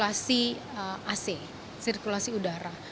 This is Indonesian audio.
sisi sirkulasi ac sirkulasi udara